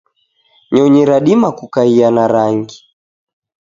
nyonyi radima kukaia na rangi